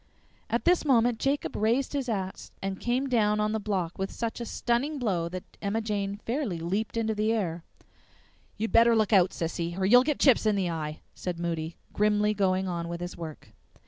At this moment Jacob raised his axe and came down on the block with such a stunning blow that Emma Jane fairly leaped into the air. "You'd better look out, Sissy, or you'll git chips in the eye!" said Moody, grimly going on with his work.